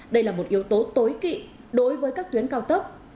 đây là một yếu tố tối kỵ đối với các tuyến cao tốc